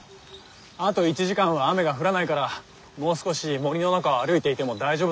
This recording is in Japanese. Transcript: あと１時間は雨が降らないからもう少し森の中を歩いていても大丈夫とか。